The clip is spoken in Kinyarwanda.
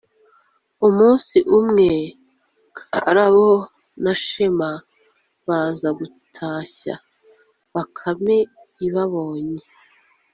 Umunsi umwe, Karabo na Shema baza gutashya, Bakame ibabonye,